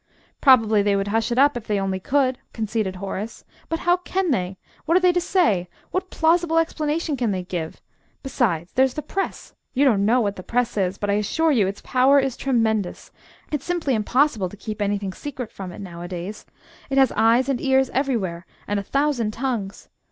"Probably they would hush it up, if they only could," conceded Horace. "But how can they? What are they to say? What plausible explanation can they give? Besides, there's the Press: you don't know what the Press is; but I assure you its power is tremendous it's simply impossible to keep anything secret from it nowadays. It has eyes and ears everywhere, and a thousand tongues.